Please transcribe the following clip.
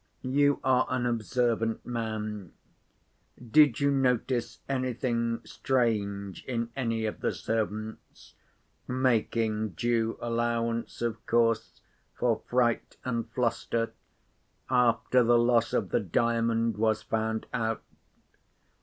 You are an observant man—did you notice anything strange in any of the servants (making due allowance, of course, for fright and fluster), after the loss of the Diamond was found out?